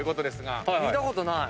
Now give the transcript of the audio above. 聞いたことない。